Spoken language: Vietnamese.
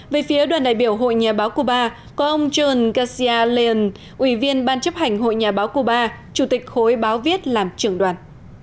về phía đoàn đại biểu hội nhà báo cuba có ông john gassia lion ủy viên ban chấp hành hội nhà báo cuba chủ tịch khối báo viết làm trưởng đoàn